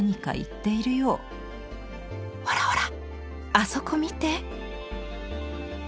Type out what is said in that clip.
「ほらほらあそこ見て」。